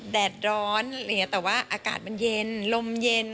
แดดร้อนแต่ว่าอากาศมันเย็นลมเย็น